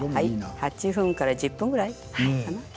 ８分から１０分ぐらい。